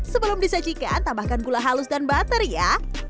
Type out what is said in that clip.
sebelum disajikan tambahkan gula halus dan butter ya